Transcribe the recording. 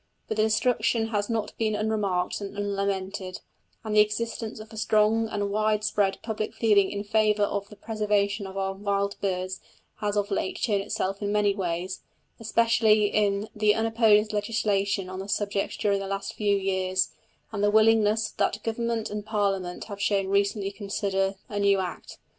But the destruction has not been unremarked and unlamented, and the existence of a strong and widespread public feeling in favour of the preservation of our wild birds has of late shown itself in many ways, especially in the unopposed legislation on the subject during the last few years, and the willingness that Government and Parliament have shown recently to consider a new Act.